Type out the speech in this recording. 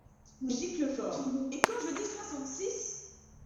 Giclefort. — Et quand je dis soixante-six !…